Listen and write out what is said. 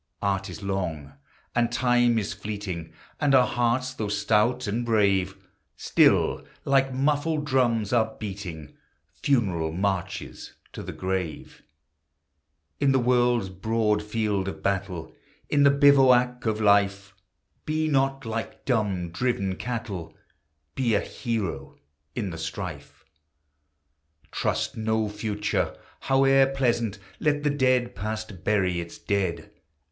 Art is long, and Time is fleeting, And our hearts, though stout and brave, Still, like muffled drums, are beating Funeral marches to the grave. In the world's broad field of battle, In the bivouac of Life, 275 276 THE HIGHER LIFE. Be not like dumb, driven cattle! Be a hero in the strife ! Trust no Future, howe'er pleasant! Let the dead Past bury its dead!